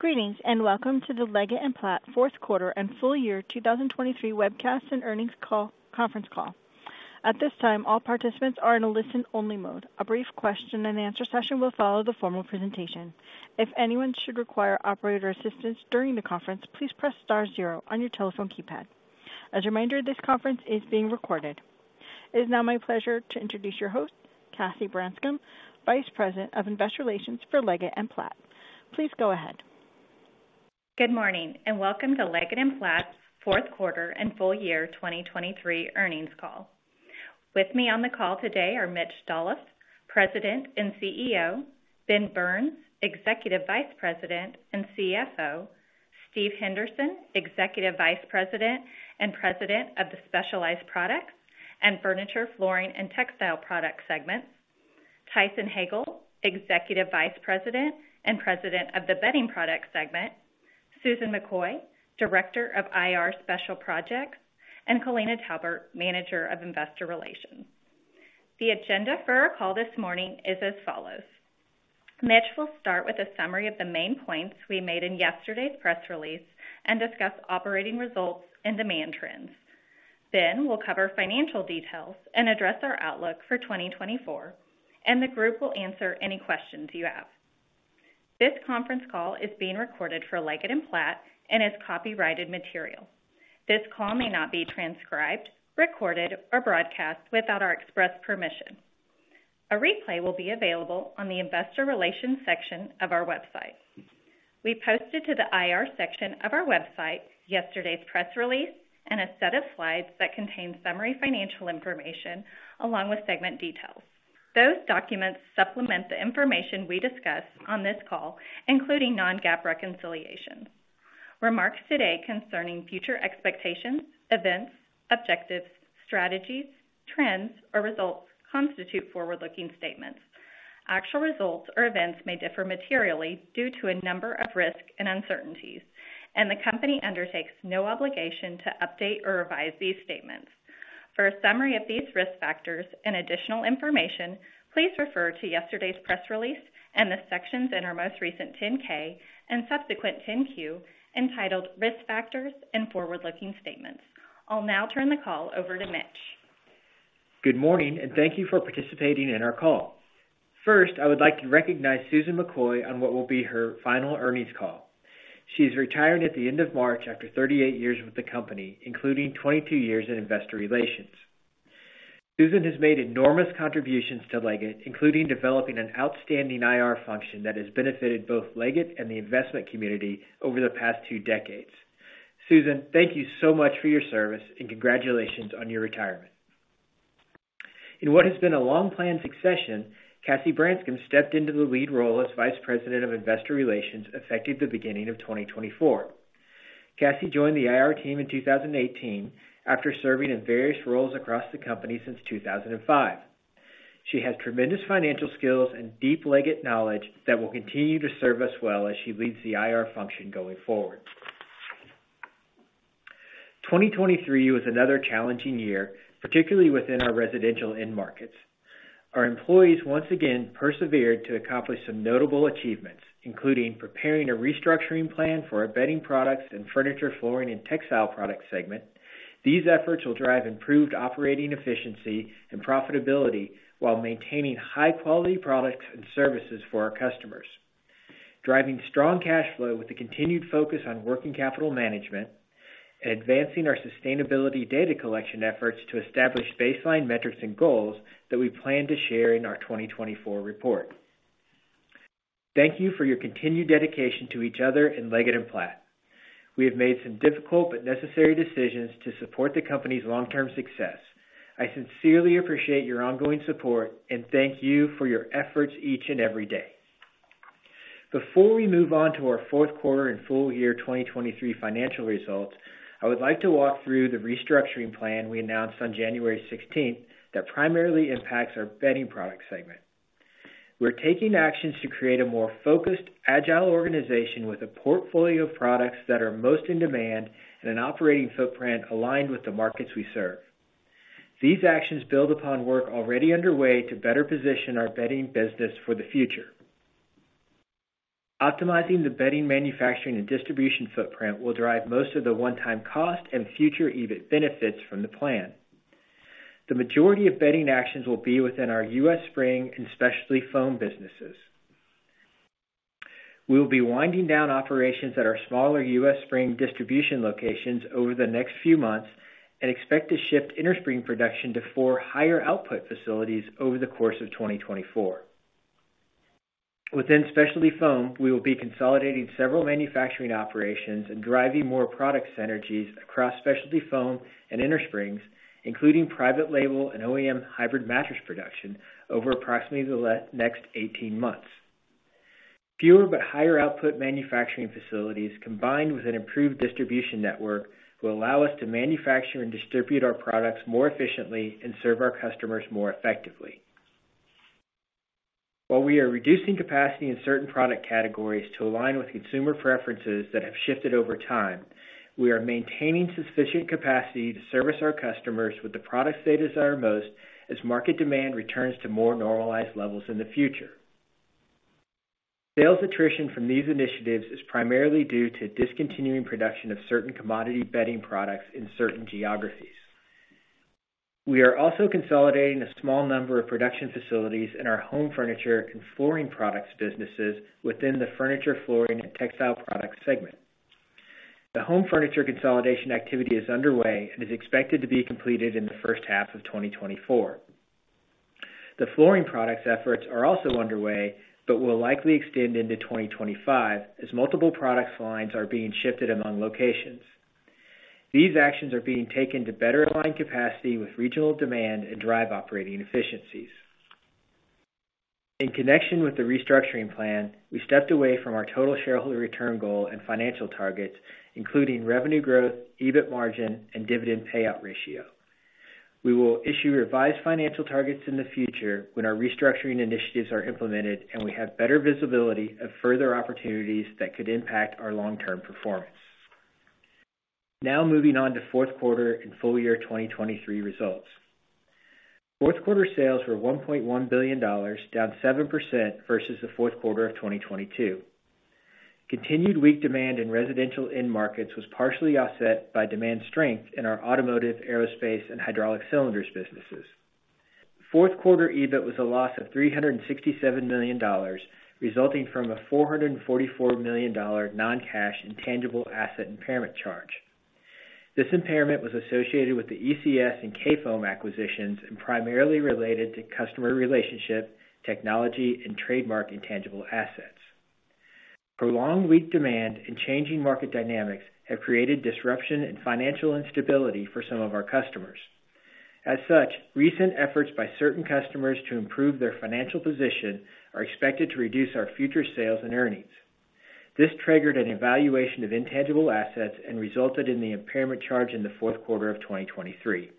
Greetings and welcome to the Leggett & Platt fourth quarter and full year 2023 webcast and earnings call conference call. At this time, all participants are in a listen-only mode. A brief question-and-answer session will follow the formal presentation. If anyone should require operator assistance during the conference, please press star zero on your telephone keypad. As a reminder, this conference is being recorded. It is now my pleasure to introduce your host, Cassie Branscum, Vice President of Investor Relations for Leggett & Platt. Please go ahead. Good morning and welcome to Leggett & Platt fourth quarter and full year 2023 earnings call. With me on the call today are Mitch Dolloff, President and CEO; Ben Burns, Executive Vice President and CFO; Steve Henderson, Executive Vice President and President of the Specialized Products and Furniture, Flooring and Textile Products segment; Tyson Hagale, Executive Vice President and President of the Bedding Products segment; Susan McCoy, Director of IR Special Projects; and Kolina Talbert, Manager of Investor Relations. The agenda for our call this morning is as follows. Mitch will start with a summary of the main points we made in yesterday's press release and discuss operating results and demand trends. Ben will cover financial details and address our outlook for 2024, and the group will answer any questions you have. This conference call is being recorded for Leggett & Platt and is copyrighted material. This call may not be transcribed, recorded, or broadcast without our express permission. A replay will be available on the Investor Relations section of our website. We posted to the IR section of our website yesterday's press release and a set of slides that contain summary financial information along with segment details. Those documents supplement the information we discuss on this call, including non-GAAP reconciliations. Remarks today concerning future expectations, events, objectives, strategies, trends, or results constitute forward-looking statements. Actual results or events may differ materially due to a number of risks and uncertainties, and the company undertakes no obligation to update or revise these statements. For a summary of these risk factors and additional information, please refer to yesterday's press release and the sections in our most recent 10-K and subsequent 10-Q entitled Risk Factors and Forward-Looking Statements. I'll now turn the call over to Mitch. Good morning and thank you for participating in our call. First, I would like to recognize Susan McCoy on what will be her final earnings call. She is retired at the end of March after 38 years with the company, including 22 years in investor relations. Susan has made enormous contributions to Leggett, including developing an outstanding IR function that has benefited both Leggett and the investment community over the past two decades. Susan, thank you so much for your service and congratulations on your retirement. In what has been a long-planned succession, Cassie Branscum stepped into the lead role as Vice President of Investor Relations effective the beginning of 2024. Cassie joined the IR team in 2018 after serving in various roles across the company since 2005. She has tremendous financial skills and deep Leggett & Platt knowledge that will continue to serve us well as she leads the IR function going forward. 2023 was another challenging year, particularly within our residential end markets. Our employees once again persevered to accomplish some notable achievements, including preparing a restructuring plan for our Bedding Products and Furniture, Flooring and Textile Products segment. These efforts will drive improved operating efficiency and profitability while maintaining high-quality products and services for our customers, driving strong cash flow with a continued focus on working capital management and advancing our sustainability data collection efforts to establish baseline metrics and goals that we plan to share in our 2024 report. Thank you for your continued dedication to each other in Leggett & Platt. We have made some difficult but necessary decisions to support the company's long-term success. I sincerely appreciate your ongoing support and thank you for your efforts each and every day. Before we move on to our fourth quarter and full year 2023 financial results, I would like to walk through the restructuring plan we announced on January 16th that primarily impacts our Bedding Products segment. We're taking actions to create a more focused, agile organization with a portfolio of products that are most in demand and an operating footprint aligned with the markets we serve. These actions build upon work already underway to better position our bedding business for the future. Optimizing the bedding manufacturing and distribution footprint will drive most of the one-time cost and future EBIT benefits from the plan. The majority of bedding actions will be within our U.S. Spring and Specialty Foam businesses. We will be winding down operations at our smaller U.S. spring distribution locations over the next few months and expect to shift innerspring production to four higher output facilities over the course of 2024. Within specialty foam, we will be consolidating several manufacturing operations and driving more product synergies across specialty foam and innersprings, including private label and OEM hybrid mattress production over approximately the next 18 months. Fewer but higher output manufacturing facilities combined with an improved distribution network will allow us to manufacture and distribute our products more efficiently and serve our customers more effectively. While we are reducing capacity in certain product categories to align with consumer preferences that have shifted over time, we are maintaining sufficient capacity to service our customers with the products they desire most as market demand returns to more normalized levels in the future. Sales attrition from these initiatives is primarily due to discontinuing production of certain commodity bedding products in certain geographies. We are also consolidating a small number of production facilities in our home furniture and flooring products businesses within the furniture flooring and textile products segment. The Home Furniture consolidation activity is underway and is expected to be completed in the first half of 2024. The flooring products efforts are also underway but will likely extend into 2025 as multiple product lines are being shifted among locations. These actions are being taken to better align capacity with regional demand and drive operating efficiencies. In connection with the restructuring plan, we stepped away from our total shareholder return goal and financial targets, including revenue growth, EBIT margin, and dividend payout ratio. We will issue revised financial targets in the future when our restructuring initiatives are implemented and we have better visibility of further opportunities that could impact our long-term performance. Now moving on to fourth quarter and full year 2023 results. Fourth quarter sales were $1.1 billion, down 7% versus the fourth quarter of 2022. Continued weak demand in residential end markets was partially offset by demand strength in our automotive, aerospace, and hydraulic cylinders businesses. Fourth quarter EBIT was a loss of $367 million, resulting from a $444 million non-cash intangible asset impairment charge. This impairment was associated with the ECS and Kayfoam acquisitions and primarily related to customer relationship, technology, and trademark intangible assets. Prolonged weak demand and changing market dynamics have created disruption and financial instability for some of our customers. As such, recent efforts by certain customers to improve their financial position are expected to reduce our future sales and earnings. This triggered an evaluation of intangible assets and resulted in the impairment charge in the fourth quarter of 2023.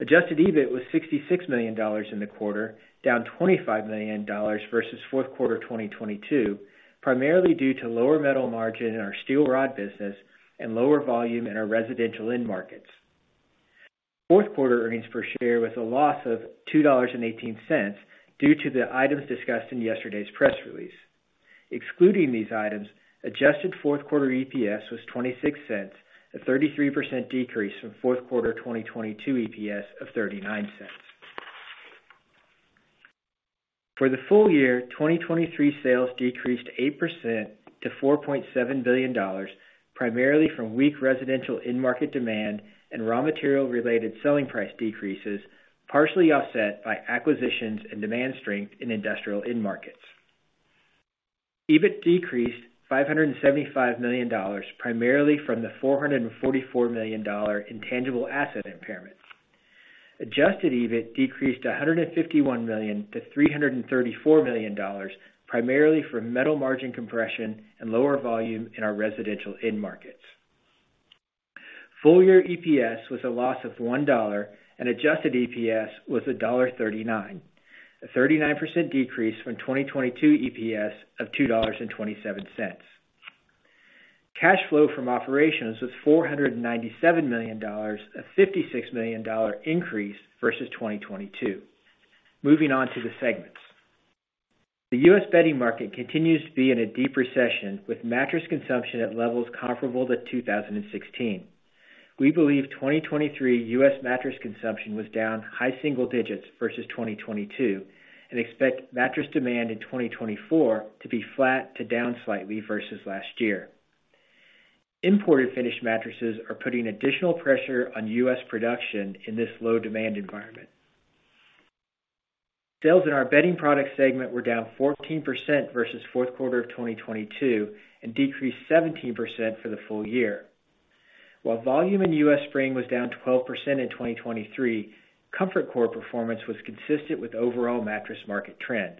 Adjusted EBIT was $66 million in the quarter, down $25 million versus fourth quarter 2022, primarily due to lower metal margin in our steel rod business and lower volume in our residential end markets. Fourth quarter earnings per share was a loss of $2.18 due to the items discussed in yesterday's press release. Excluding these items, adjusted fourth quarter EPS was $0.26, a 33% decrease from fourth quarter 2022 EPS of $0.39. For the full year, 2023 sales decreased 8% to $4.7 billion, primarily from weak residential end market demand and raw material-related selling price decreases, partially offset by acquisitions and demand strength in industrial end markets. EBIT decreased $575 million, primarily from the $444 million intangible asset impairment. Adjusted EBIT decreased $151 million-$334 million, primarily from metal margin compression and lower volume in our residential end markets. Full year EPS was a loss of $1, and adjusted EPS was $1.39, a 39% decrease from 2022 EPS of $2.27. Cash flow from operations was $497 million, a $56 million increase versus 2022. Moving on to the segments. The U.S. bedding market continues to be in a deep recession with mattress consumption at levels comparable to 2016. We believe 2023 U.S. mattress consumption was down high single digits versus 2022 and expect mattress demand in 2024 to be flat to down slightly versus last year. Imported finished mattresses are putting additional pressure on U.S. production in this low-demand environment. Sales in our bedding products segment were down 14% versus fourth quarter of 2022 and decreased 17% for the full year. While volume in U.S. spring was down 12% in 2023, ComfortCore performance was consistent with overall mattress market trends.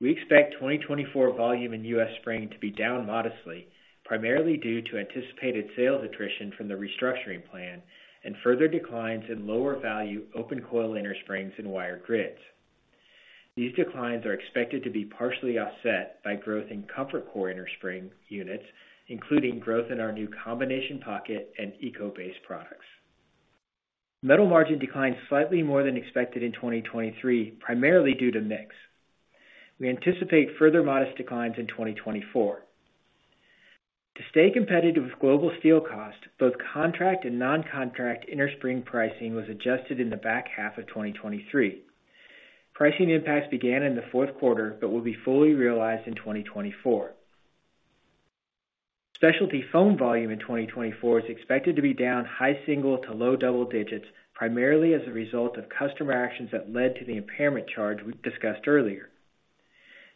We expect 2024 volume in U.S. spring to be down modestly, primarily due to anticipated sales attrition from the restructuring plan and further declines in lower-value Open Coil inner springs and wire grids. These declines are expected to be partially offset by growth in ComfortCore innerspring units, including growth in our new combination pocket and Eco-Base products. Metal margin declined slightly more than expected in 2023, primarily due to mix. We anticipate further modest declines in 2024. To stay competitive with global steel cost, both contract and non-contract inner spring pricing was adjusted in the back half of 2023. Pricing impacts began in the fourth quarter but will be fully realized in 2024. Specialty Foam volume in 2024 is expected to be down high-single- to low double-digit, primarily as a result of customer actions that led to the impairment charge we discussed earlier.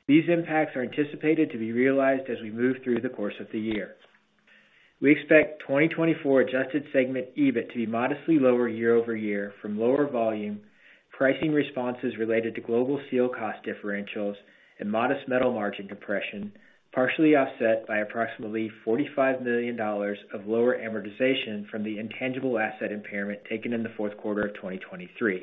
These impacts are anticipated to be realized as we move through the course of the year. We expect 2024 adjusted segment EBIT to be modestly lower year-over-year from lower volume, pricing responses related to global steel cost differentials, and modest Metal Margin compression, partially offset by approximately $45 million of lower amortization from the intangible asset impairment taken in the fourth quarter of 2023.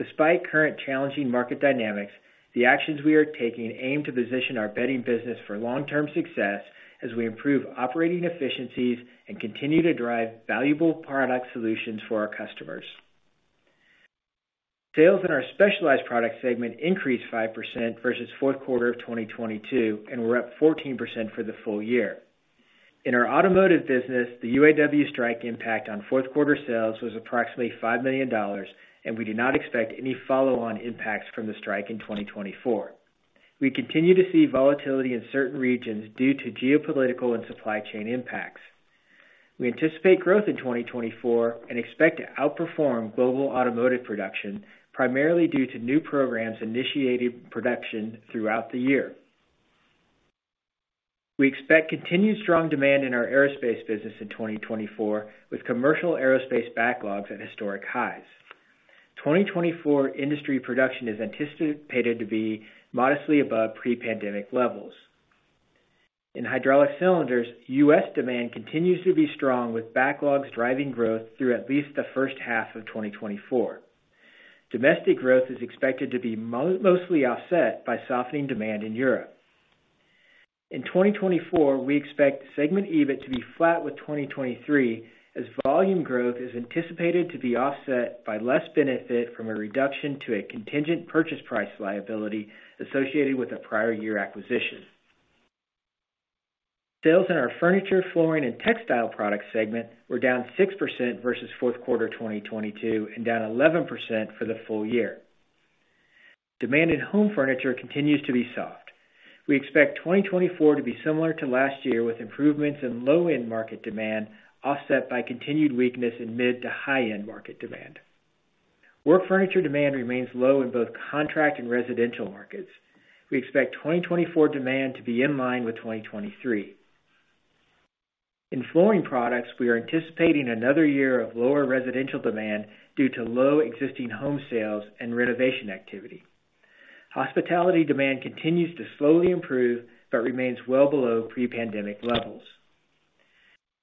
Despite current challenging market dynamics, the actions we are taking aim to position our bedding business for long-term success as we improve operating efficiencies and continue to drive valuable product solutions for our customers. Sales in our specialized products segment increased 5% versus fourth quarter of 2022 and were up 14% for the full year. In our automotive business, the UAW strike impact on fourth quarter sales was approximately $5 million, and we do not expect any follow-on impacts from the strike in 2024. We continue to see volatility in certain regions due to geopolitical and supply chain impacts. We anticipate growth in 2024 and expect to outperform global automotive production, primarily due to new programs initiating production throughout the year. We expect continued strong demand in our aerospace business in 2024, with commercial aerospace backlogs at historic highs. 2024 industry production is anticipated to be modestly above pre-pandemic levels. In hydraulic cylinders, U.S. demand continues to be strong, with backlogs driving growth through at least the first half of 2024. Domestic growth is expected to be mostly offset by softening demand in Europe. In 2024, we expect segment EBIT to be flat with 2023, as volume growth is anticipated to be offset by less benefit from a reduction to a contingent purchase price liability associated with a prior year acquisition. Sales in our furniture, flooring, and textile products segment were down 6% versus fourth quarter 2022 and down 11% for the full year. Demand in home furniture continues to be soft. We expect 2024 to be similar to last year, with improvements in low-end market demand offset by continued weakness in mid to high-end market demand. Work furniture demand remains low in both contract and residential markets. We expect 2024 demand to be in line with 2023. In flooring products, we are anticipating another year of lower residential demand due to low existing home sales and renovation activity. Hospitality demand continues to slowly improve but remains well below pre-pandemic levels.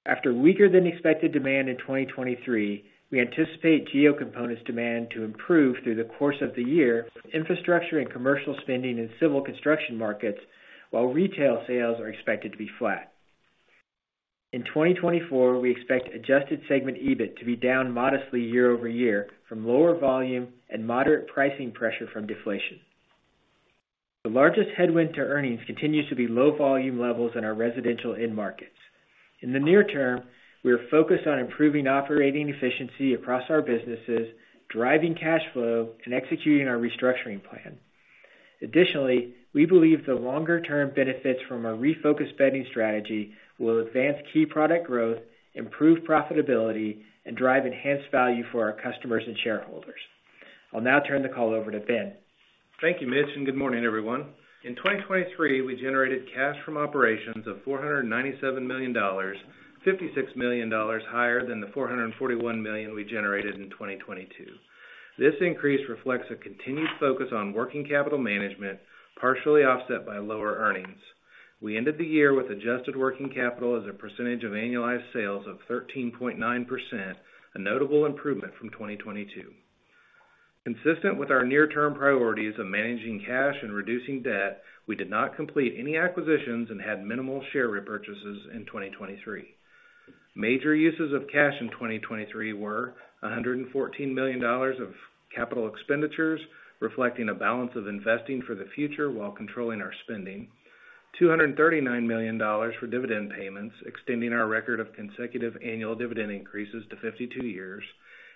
After weaker than expected demand in 2023, we anticipate Geo Components demand to improve through the course of the year with infrastructure and commercial spending in civil construction markets, while retail sales are expected to be flat. In 2024, we expect adjusted segment EBIT to be down modestly year-over-year from lower volume and moderate pricing pressure from deflation. The largest headwind to earnings continues to be low-volume levels in our residential end markets. In the near term, we are focused on improving operating efficiency across our businesses, driving cash flow, and executing our restructuring plan. Additionally, we believe the longer-term benefits from our refocused bedding strategy will advance key product growth, improve profitability, and drive enhanced value for our customers and shareholders. I'll now turn the call over to Ben. Thank you, Mitch, and good morning, everyone. In 2023, we generated cash from operations of $497 million, $56 million higher than the $441 million we generated in 2022. This increase reflects a continued focus on working capital management, partially offset by lower earnings. We ended the year with adjusted working capital as a percentage of annualized sales of 13.9%, a notable improvement from 2022. Consistent with our near-term priorities of managing cash and reducing debt, we did not complete any acquisitions and had minimal share repurchases in 2023. Major uses of cash in 2023 were: $114 million of capital expenditures, reflecting a balance of investing for the future while controlling our spending, $239 million for dividend payments, extending our record of consecutive annual dividend increases to 52 years,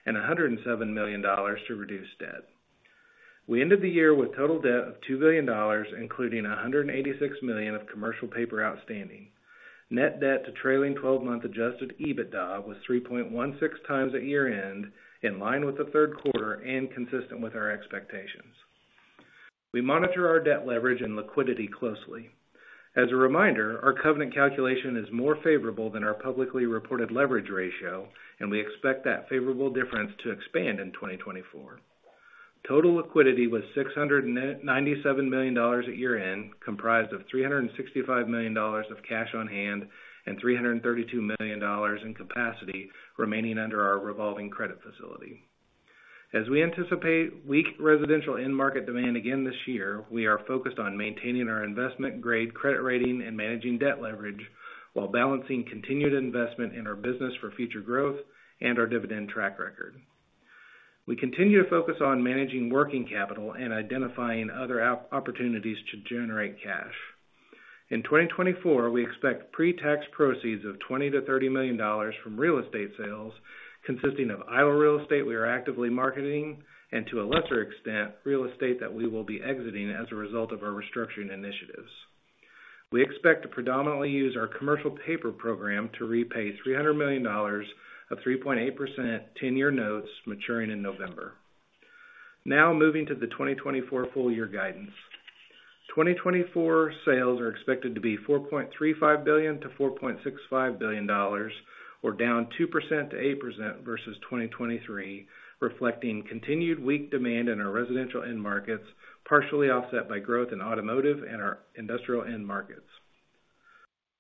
and $107 million to reduce debt. We ended the year with total debt of $2 billion, including $186 million of commercial paper outstanding. Net debt to trailing 12-month adjusted EBITDA was 3.16 times at year-end, in line with the third quarter and consistent with our expectations. We monitor our debt leverage and liquidity closely. As a reminder, our covenant calculation is more favorable than our publicly reported leverage ratio, and we expect that favorable difference to expand in 2024. Total liquidity was $697 million at year-end, comprised of $365 million of cash on hand and $332 million in capacity remaining under our revolving credit facility. As we anticipate weak residential end market demand again this year, we are focused on maintaining our investment grade, credit rating, and managing debt leverage while balancing continued investment in our business for future growth and our dividend track record. We continue to focus on managing working capital and identifying other opportunities to generate cash. In 2024, we expect pre-tax proceeds of $20 million-$30 million from real estate sales, consisting of idle real estate we are actively marketing and, to a lesser extent, real estate that we will be exiting as a result of our restructuring initiatives. We expect to predominantly use our commercial paper program to repay $300 million of 3.8% 10-year notes maturing in November. Now moving to the 2024 full year guidance. 2024 sales are expected to be $4.35 billion-$4.65 billion, or down 2%-8% versus 2023, reflecting continued weak demand in our residential end markets, partially offset by growth in automotive and our industrial end markets.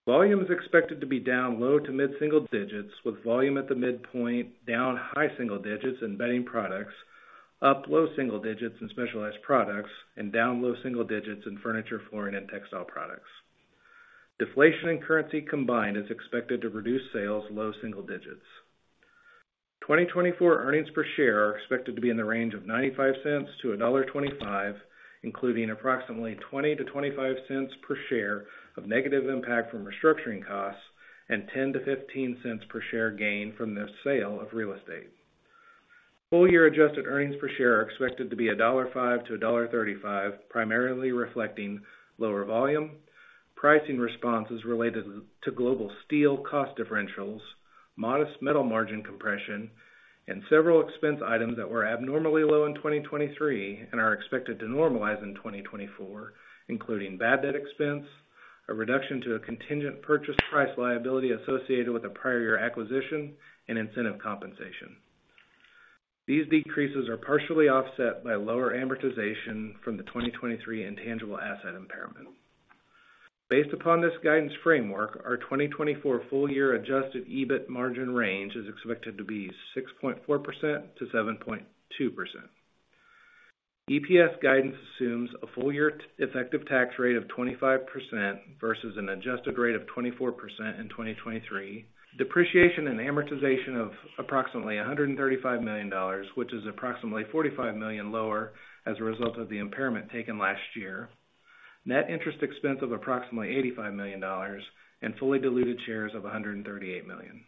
Volume is expected to be down low to mid single digits, with volume at the midpoint down high single digits in bedding products, up low single digits in specialized products, and down low single digits in furniture, flooring, and textile products. Deflation and currency combined is expected to reduce sales low single digits. 2024 earnings per share are expected to be in the range of $0.95-$1.25, including approximately $0.20-$0.25 per share of negative impact from restructuring costs and $0.10-$0.15 per share gain from the sale of real estate. Full year adjusted earnings per share are expected to be $1.05-$1.35, primarily reflecting lower volume, pricing responses related to global steel cost differentials, modest metal margin compression, and several expense items that were abnormally low in 2023 and are expected to normalize in 2024, including bad debt expense, a reduction to a contingent purchase price liability associated with a prior year acquisition, and incentive compensation. These decreases are partially offset by lower amortization from the 2023 intangible asset impairment. Based upon this guidance framework, our 2024 full year adjusted EBIT margin range is expected to be 6.4%-7.2%. EPS guidance assumes a full year effective tax rate of 25% versus an adjusted rate of 24% in 2023, depreciation and amortization of approximately $135 million, which is approximately $45 million lower as a result of the impairment taken last year, net interest expense of approximately $85 million, and fully diluted shares of 138 million.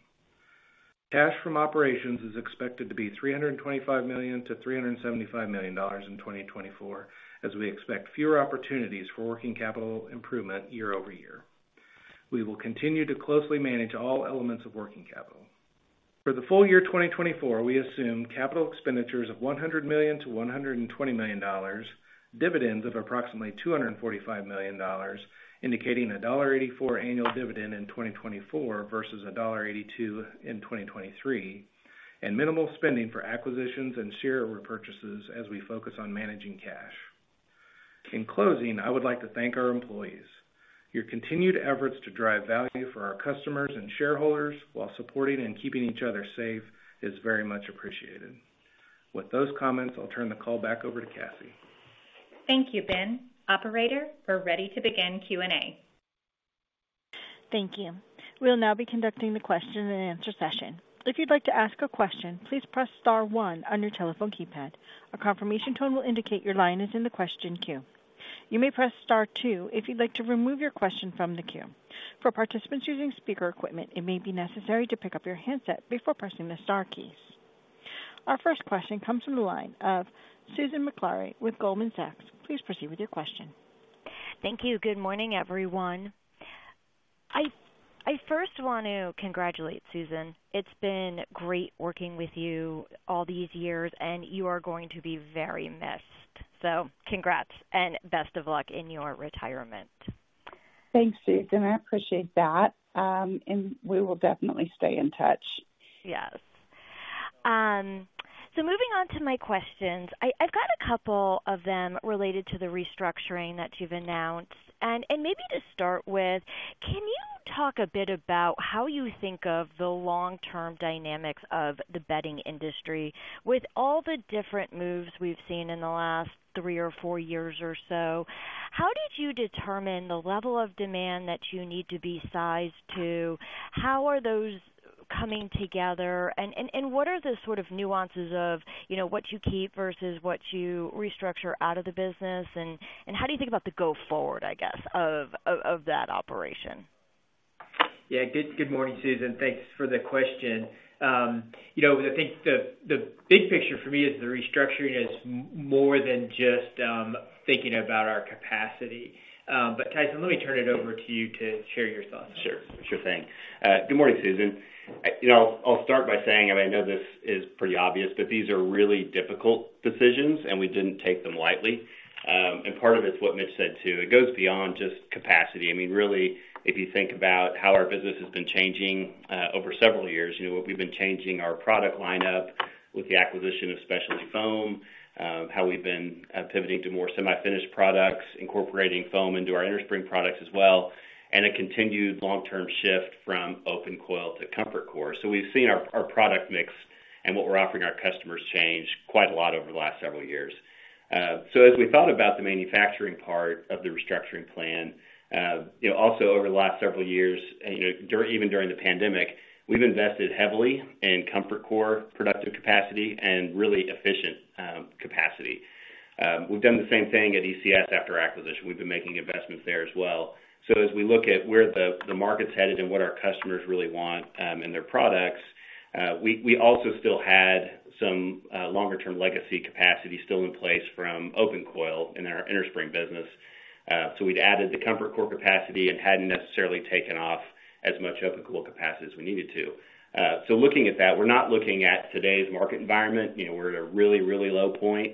Cash from operations is expected to be $325 million-$375 million in 2024, as we expect fewer opportunities for working capital improvement year-over-year. We will continue to closely manage all elements of working capital. For the full year 2024, we assume capital expenditures of $100 million-$120 million, dividends of approximately $245 million, indicating a $1.84 annual dividend in 2024 versus a $1.82 in 2023, and minimal spending for acquisitions and share repurchases as we focus on managing cash. In closing, I would like to thank our employees. Your continued efforts to drive value for our customers and shareholders while supporting and keeping each other safe is very much appreciated. With those comments, I'll turn the call back over to Cassie. Thank you, Ben. Operator, we're ready to begin Q&A. Thank you. We'll now be conducting the question and answer session. If you'd like to ask a question, please press star one on your telephone keypad. A confirmation tone will indicate your line is in the question queue. You may press star two if you'd like to remove your question from the queue. For participants using speaker equipment, it may be necessary to pick up your handset before pressing the star keys. Our first question comes from the line of Susan Maklari with Goldman Sachs. Please proceed with your question. Thank you. Good morning, everyone. I first want to congratulate Susan. It's been great working with you all these years, and you are going to be very missed. So congrats and best of luck in your retirement. Thanks, Susan. I appreciate that, and we will definitely stay in touch. Yes. Moving on to my questions, I've got a couple of them related to the restructuring that you've announced. Maybe to start with, can you talk a bit about how you think of the long-term dynamics of the bedding industry with all the different moves we've seen in the last three or four years or so? How did you determine the level of demand that you need to be sized to? How are those coming together? And what are the sort of nuances of what you keep versus what you restructure out of the business? And how do you think about the go-forward, I guess, of that operation? Yeah. Good morning, Susan. Thanks for the question. I think the big picture for me is the restructuring is more than just thinking about our capacity. Tyson, let me turn it over to you to share your thoughts. Sure. Sure thing. Good morning, Susan. I'll start by saying I mean, I know this is pretty obvious, but these are really difficult decisions, and we didn't take them lightly. And part of it's what Mitch said too. It goes beyond just capacity. I mean, really, if you think about how our business has been changing over several years, we've been changing our product lineup with the acquisition of Specialty Foam, how we've been pivoting to more semi-finished products, incorporating foam into our innerspring products as well, and a continued long-term shift from Open Coil to ComfortCore. So we've seen our product mix and what we're offering our customers change quite a lot over the last several years. So as we thought about the manufacturing part of the restructuring plan, also over the last several years, even during the pandemic, we've invested heavily in ComfortCore productive capacity and really efficient capacity. We've done the same thing at ECS after acquisition. We've been making investments there as well. So as we look at where the market's headed and what our customers really want in their products, we also still had some longer-term legacy capacity still in place from OpenCoil in our innerspring business. So we'd added the ComfortCore capacity and hadn't necessarily taken off as much OpenCoil capacity as we needed to. So looking at that, we're not looking at today's market environment. We're at a really, really low point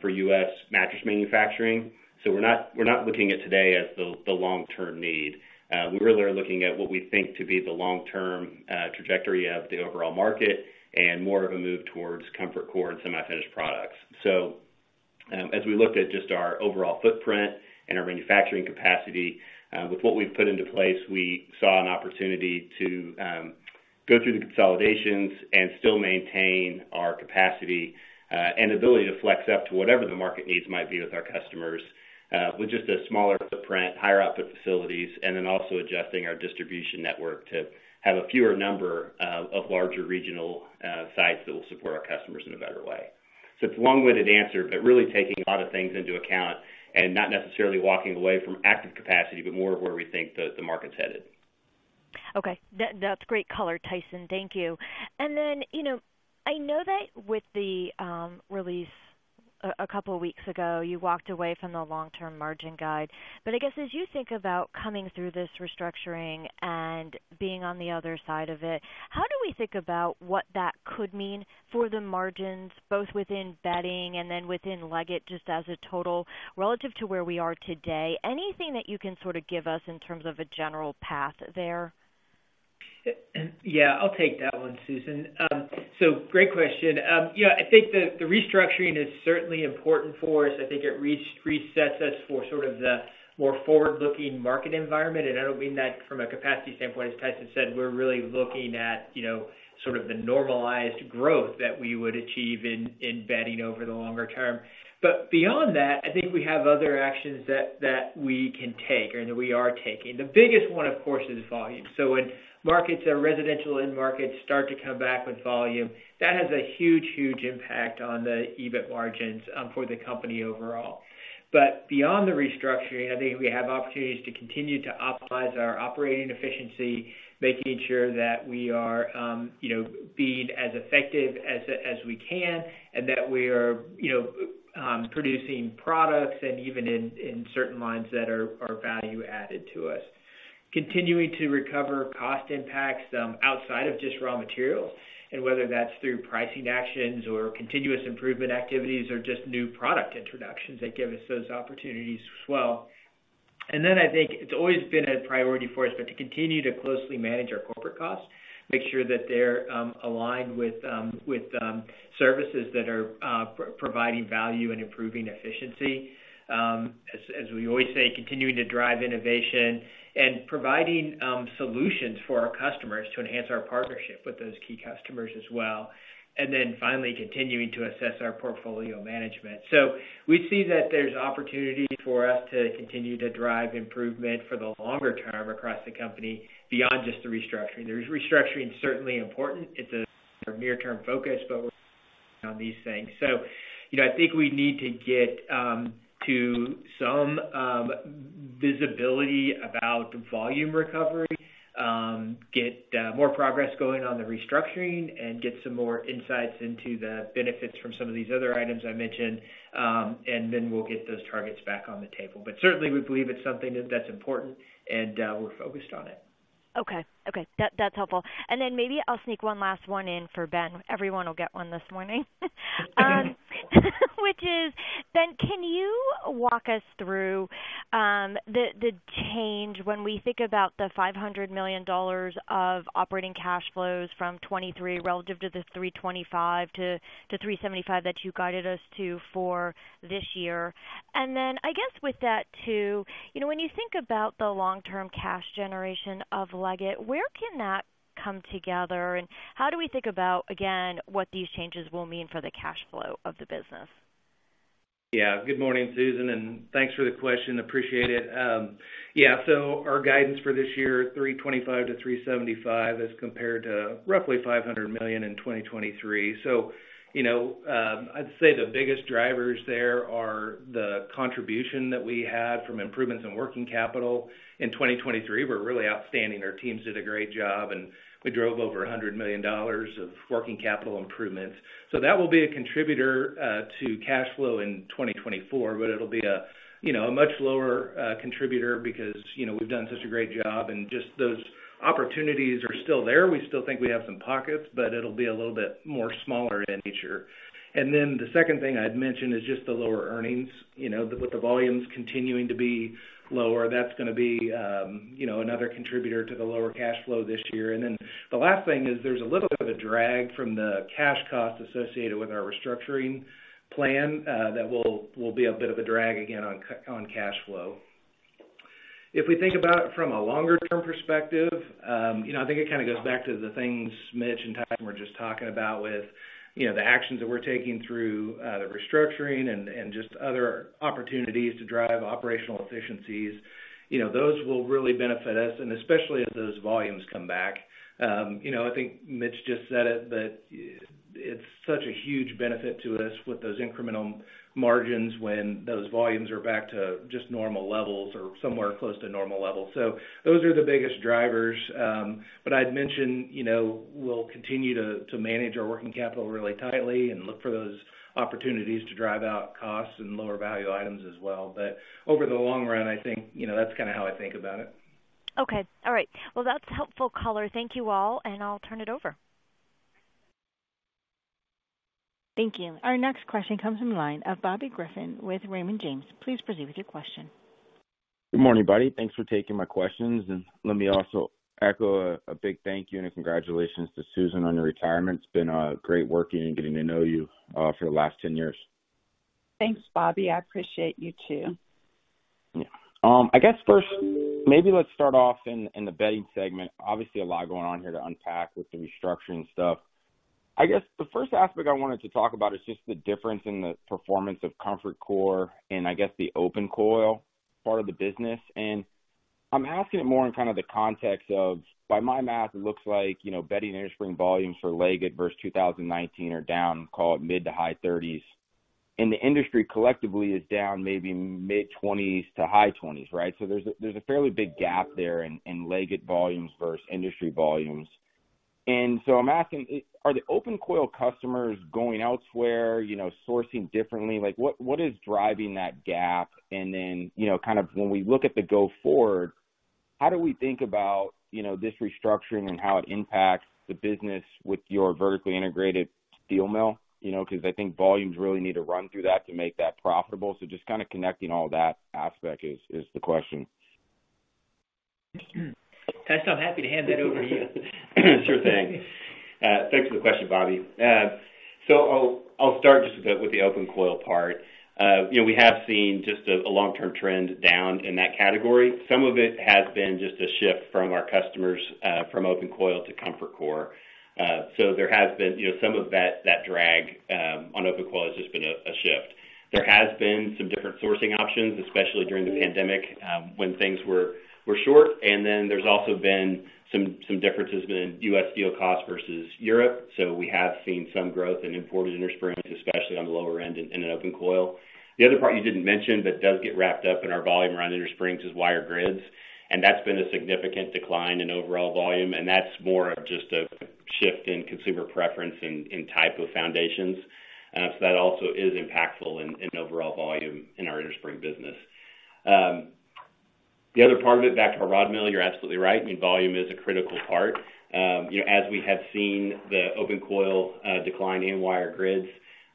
for U.S. mattress manufacturing. So we're not looking at today as the long-term need. We really are looking at what we think to be the long-term trajectory of the overall market and more of a move towards ComfortCore and semi-finished products. As we looked at just our overall footprint and our manufacturing capacity, with what we've put into place, we saw an opportunity to go through the consolidations and still maintain our capacity and ability to flex up to whatever the market needs might be with our customers with just a smaller footprint, higher output facilities, and then also adjusting our distribution network to have a fewer number of larger regional sites that will support our customers in a better way. It's a long-winded answer, but really taking a lot of things into account and not necessarily walking away from active capacity, but more of where we think the market's headed. Okay. That's great color, Tyson. Thank you. And then I know that with the release a couple of weeks ago, you walked away from the long-term margin guide. But I guess as you think about coming through this restructuring and being on the other side of it, how do we think about what that could mean for the margins, both within bedding and then within Leggett just as a total relative to where we are today? Anything that you can sort of give us in terms of a general path there? Yeah. I'll take that one, Susan. So great question. I think the restructuring is certainly important for us. I think it resets us for sort of the more forward-looking market environment. And I don't mean that from a capacity standpoint, as Tyson said, we're really looking at sort of the normalized growth that we would achieve in bedding over the longer term. But beyond that, I think we have other actions that we can take and that we are taking. The biggest one, of course, is volume. So when residential end markets start to come back with volume, that has a huge, huge impact on the EBIT margins for the company overall. But beyond the restructuring, I think we have opportunities to continue to optimize our operating efficiency, making sure that we are being as effective as we can and that we are producing products and even in certain lines that are value added to us, continuing to recover cost impacts outside of just raw materials, and whether that's through pricing actions or continuous improvement activities or just new product introductions that give us those opportunities as well. And then I think it's always been a priority for us, but to continue to closely manage our corporate costs, make sure that they're aligned with services that are providing value and improving efficiency. As we always say, continuing to drive innovation and providing solutions for our customers to enhance our partnership with those key customers as well, and then finally continuing to assess our portfolio management. So we see that there's opportunity for us to continue to drive improvement for the longer term across the company beyond just the restructuring. There's restructuring, certainly important. It's a near-term focus, but we're on these things. So I think we need to get to some visibility about volume recovery, get more progress going on the restructuring, and get some more insights into the benefits from some of these other items I mentioned. And then we'll get those targets back on the table. But certainly, we believe it's something that's important, and we're focused on it. Okay. Okay. That's helpful. And then maybe I'll sneak one last one in for Ben. Everyone will get one this morning, which is, Ben, can you walk us through the change when we think about the $500 million of operating cash flows from 2023 relative to the $325 million-$375 million that you guided us to for this year? And then I guess with that too, when you think about the long-term cash generation of Leggett, where can that come together? And how do we think about, again, what these changes will mean for the cash flow of the business? Yeah. Good morning, Susan, and thanks for the question. Appreciate it. Yeah. So our guidance for this year, $325 million-$375 million, is compared to roughly $500 million in 2023. So I'd say the biggest drivers there are the contribution that we had from improvements in working capital. In 2023, we're really outstanding. Our teams did a great job, and we drove over $100 million of working capital improvements. So that will be a contributor to cash flow in 2024, but it'll be a much lower contributor because we've done such a great job. And just those opportunities are still there. We still think we have some pockets, but it'll be a little bit more smaller in nature. And then the second thing I'd mention is just the lower earnings. With the volumes continuing to be lower, that's going to be another contributor to the lower cash flow this year. And then the last thing is there's a little bit of a drag from the cash costs associated with our restructuring plan that will be a bit of a drag again on cash flow. If we think about it from a longer-term perspective, I think it kind of goes back to the things Mitch and Tyson were just talking about with the actions that we're taking through the restructuring and just other opportunities to drive operational efficiencies. Those will really benefit us, and especially as those volumes come back. I think Mitch just said it, but it's such a huge benefit to us with those incremental margins when those volumes are back to just normal levels or somewhere close to normal levels. So those are the biggest drivers. I'd mention we'll continue to manage our working capital really tightly and look for those opportunities to drive out costs and lower value items as well. Over the long run, I think that's kind of how I think about it. Okay. All right. Well, that's helpful color. Thank you all, and I'll turn it over. Thank you. Our next question comes from the line of Bobby Griffin with Raymond James. Please proceed with your question. Good morning, buddy. Thanks for taking my questions. Let me also echo a big thank you and a congratulations to Susan on your retirement. It's been great working and getting to know you for the last 10 years. Thanks, Bobby. I appreciate you too. Yeah. I guess first, maybe let's start off in the bedding segment. Obviously, a lot going on here to unpack with the restructuring stuff. I guess the first aspect I wanted to talk about is just the difference in the performance of ComfortCore and, I guess, the OpenCoil part of the business. And I'm asking it more in kind of the context of, by my math, it looks like bedding innerspring volumes for Leggett versus 2019 are down, call it mid- to high-30s. And the industry collectively is down maybe mid-20s to high-20s, right? So there's a fairly big gap there in Leggett volumes versus industry volumes. And so I'm asking, are the OpenCoil customers going elsewhere, sourcing differently? What is driving that gap? And then kind of when we look at the go-forward, how do we think about this restructuring and how it impacts the business with your vertically integrated steel mill? Because I think volumes really need to run through that to make that profitable. So just kind of connecting all that aspect is the question. Tyson, I'm happy to hand that over to you. Sure thing. Thanks for the question, Bobby. So I'll start just with the OpenCoil part. We have seen just a long-term trend down in that category. Some of it has been just a shift from our customers from OpenCoil to ComfortCore. So there has been some of that drag on OpenCoil has just been a shift. There has been some different sourcing options, especially during the pandemic when things were short. And then there's also been some differences between U.S. steel costs versus Europe. So we have seen some growth in imported innersprings, especially on the lower end in an OpenCoil. The other part you didn't mention but does get wrapped up in our volume around innersprings is wire grids. And that's been a significant decline in overall volume. And that's more of just a shift in consumer preference and type of foundations. So that also is impactful in overall volume in our innerspring business. The other part of it, back to our rod mill, you're absolutely right. I mean, volume is a critical part. As we have seen the OpenCoil decline in wire grids,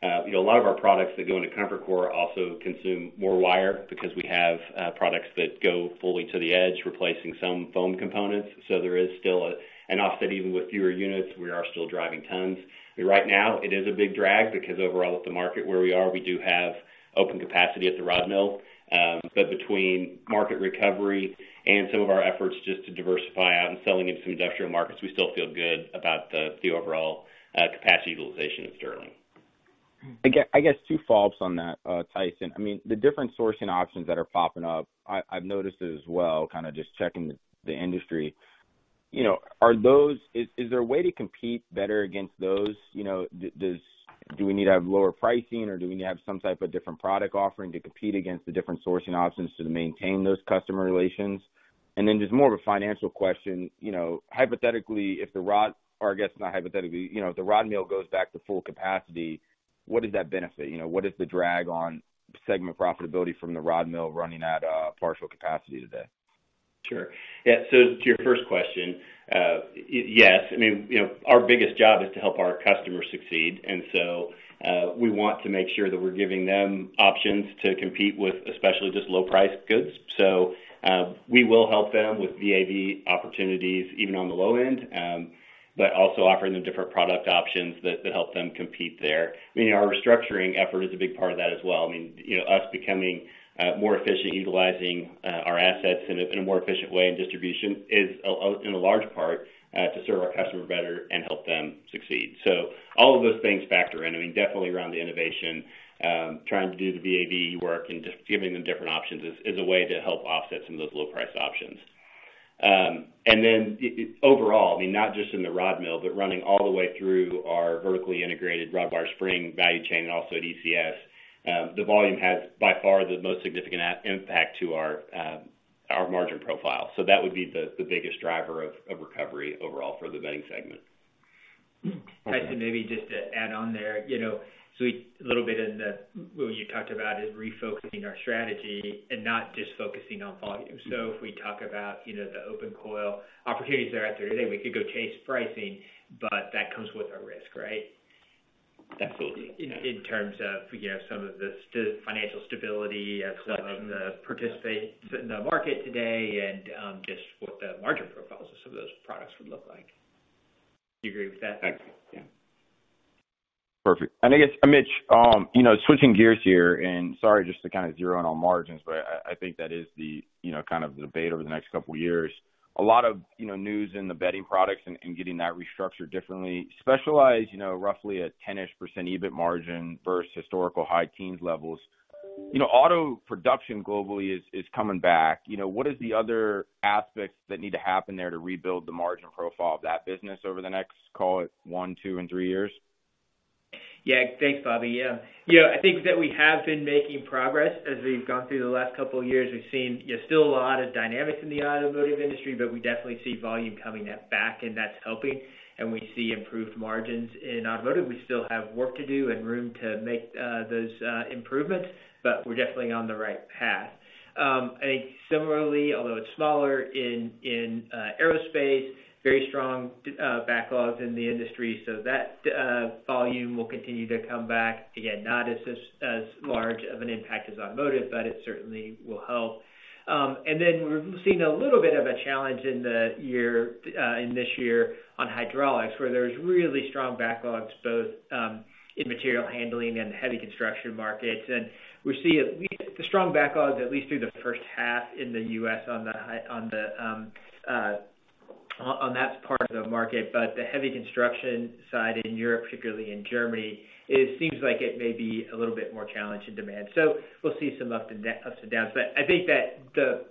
a lot of our products that go into ComfortCore also consume more wire because we have products that go fully to the edge replacing some foam components. So there is still an offset. Even with fewer units, we are still driving tons. Right now, it is a big drag because overall, with the market where we are, we do have open capacity at the rod mill. But between market recovery and some of our efforts just to diversify out and selling into some industrial markets, we still feel good about the overall capacity utilization at Sterling. I guess two follows on that, Tyson. I mean, the different sourcing options that are popping up, I've noticed it as well, kind of just checking the industry. Is there a way to compete better against those? Do we need to have lower pricing, or do we need to have some type of different product offering to compete against the different sourcing options to maintain those customer relations? And then just more of a financial question. Hypothetically, if the rod or I guess not hypothetically, if the rod mill goes back to full capacity, what is that benefit? What is the drag on segment profitability from the rod mill running at partial capacity today? Sure. Yeah. So to your first question, yes. I mean, our biggest job is to help our customers succeed. And so we want to make sure that we're giving them options to compete with especially just low-priced goods. So we will help them with VA/VE opportunities even on the low end, but also offering them different product options that help them compete there. I mean, our restructuring effort is a big part of that as well. I mean, us becoming more efficient utilizing our assets in a more efficient way and distribution is in a large part to serve our customer better and help them succeed. So all of those things factor in. I mean, definitely around the innovation, trying to do the VAV work and just giving them different options is a way to help offset some of those low-priced options. And then overall, I mean, not just in the rod mill, but running all the way through our vertically integrated rodwire spring value chain and also at ECS, the volume has by far the most significant impact to our margin profile. So that would be the biggest driver of recovery overall for the bedding segment. Tyson, maybe just to add on there. So a little bit in what you talked about is refocusing our strategy and not just focusing on volume. So if we talk about the OpenCoil opportunities that are out there today, we could go chase pricing, but that comes with a risk, right? In terms of some of the financial stability of the participants in the market today and just what the margin profiles of some of those products would look like. Do you agree with that? Exactly. Yeah. Perfect. I guess, Mitch, switching gears here and sorry just to kind of zero in on margins, but I think that is kind of the debate over the next couple of years. A lot of news in the Bedding Products and getting that restructured differently. Specialized roughly at 10-ish% EBIT margin versus historical high teens levels. Auto production globally is coming back. What are the other aspects that need to happen there to rebuild the margin profile of that business over the next, call it, one, two, and three years? Yeah. Thanks, Bobby. Yeah. I think that we have been making progress as we've gone through the last couple of years. We've seen still a lot of dynamics in the automotive industry, but we definitely see volume coming back, and that's helping. We see improved margins in automotive. We still have work to do and room to make those improvements, but we're definitely on the right path. I think similarly, although it's smaller in aerospace, very strong backlogs in the industry. So that volume will continue to come back. Again, not as large of an impact as automotive, but it certainly will help. Then we've seen a little bit of a challenge in this year on hydraulics where there's really strong backlogs both in material handling and heavy construction markets. We see the strong backlogs, at least through the first half in the U.S. on that part of the market. But the heavy construction side in Europe, particularly in Germany, seems like it may be a little bit more challenged in demand. So we'll see some ups and downs. But I think that the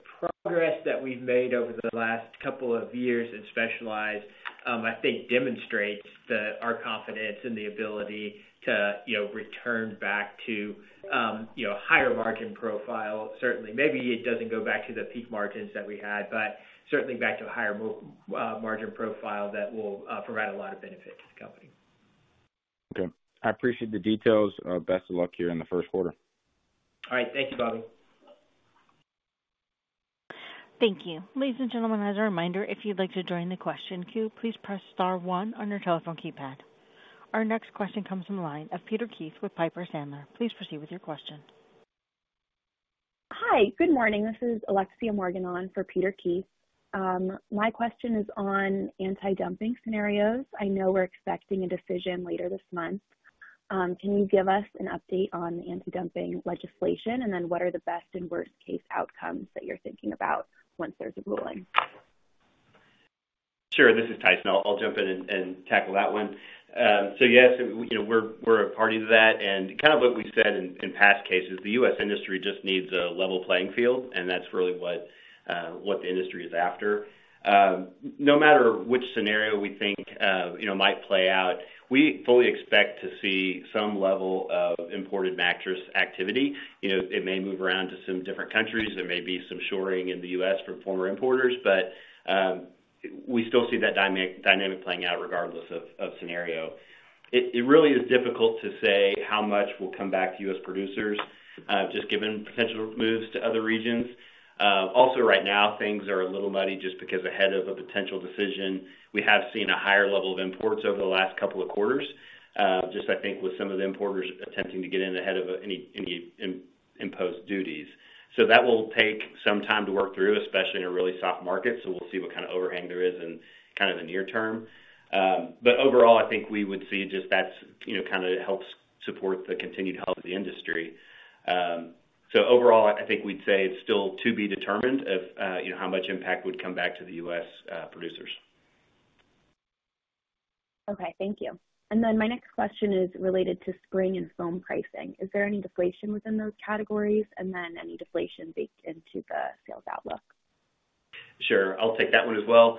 progress that we've made over the last couple of years in specialized, I think, demonstrates our confidence in the ability to return back to a higher margin profile, certainly. Maybe it doesn't go back to the peak margins that we had, but certainly back to a higher margin profile that will provide a lot of benefit to the company. Okay. I appreciate the details. Best of luck here in the first quarter. All right. Thank you, Bobby. Thank you. Ladies and gentlemen, as a reminder, if you'd like to join the question queue, please press star one on your telephone keypad. Our next question comes from the line of Peter Keith with Piper Sandler. Please proceed with your question. Hi. Good morning. This is Alexia Morgan for Peter Keith. My question is on anti-dumping scenarios. I know we're expecting a decision later this month. Can you give us an update on the anti-dumping legislation, and then what are the best and worst-case outcomes that you're thinking about once there's a ruling? Sure. This is Tyson. I'll jump in and tackle that one. So yes, we're a party to that. And kind of what we've said in past cases, the U.S. industry just needs a level playing field, and that's really what the industry is after. No matter which scenario we think might play out, we fully expect to see some level of imported mattress activity. It may move around to some different countries. There may be some reshoring in the U.S. from former importers, but we still see that dynamic playing out regardless of scenario. It really is difficult to say how much will come back to U.S. producers just given potential moves to other regions. Also, right now, things are a little muddy just because ahead of a potential decision, we have seen a higher level of imports over the last couple of quarters, just I think with some of the importers attempting to get in ahead of any imposed duties. So that will take some time to work through, especially in a really soft market. So we'll see what kind of overhang there is in kind of the near term. But overall, I think we would see just that kind of helps support the continued health of the industry. So overall, I think we'd say it's still to be determined of how much impact would come back to the U.S. producers. Okay. Thank you. And then my next question is related to spring and foam pricing. Is there any deflation within those categories and then any deflation baked into the sales outlook? Sure. I'll take that one as well.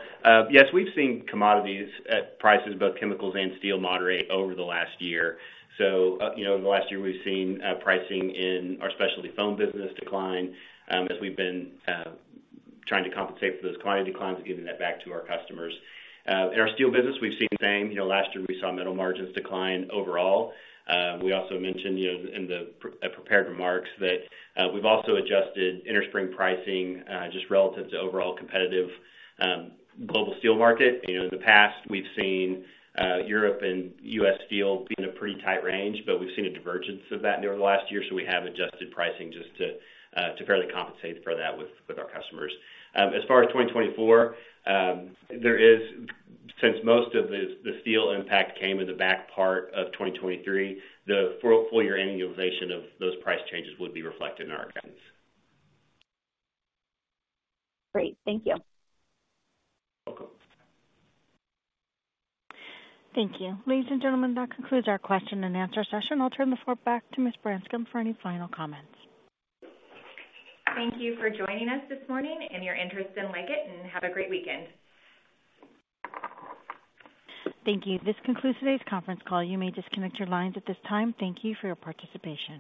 Yes, we've seen commodities prices, both chemicals and steel, moderate over the last year. So last year, we've seen pricing in our specialty foam business decline as we've been trying to compensate for those quantity declines and giving that back to our customers. In our steel business, we've seen the same. Last year, we saw metal margins decline overall. We also mentioned in the prepared remarks that we've also adjusted innerspring pricing just relative to overall competitive global steel market. In the past, we've seen Europe and U.S. steel be in a pretty tight range, but we've seen a divergence of that over the last year. So we have adjusted pricing just to fairly compensate for that with our customers. As far as 2024, since most of the steel impact came in the back part of 2023, the full-year annualization of those price changes would be reflected in our guidance. Great. Thank you. You're welcome. Thank you. Ladies and gentlemen, that concludes our question and answer session. I'll turn the floor back to Miss Branscum for any final comments. Thank you for joining us this morning and your interest in Leggett, and have a great weekend. Thank you. This concludes today's conference call. You may disconnect your lines at this time. Thank you for your participation.